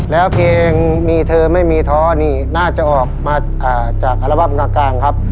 แล้วเพลงมีเธอไม่มีท้อนี่น่าจะออกมาจากอัลบั้มกลางครับ